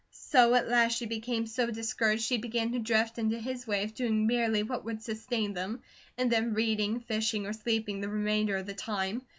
So at last she became so discouraged she began to drift into his way of doing merely what would sustain them, and then reading, fishing, or sleeping the remainder of the time.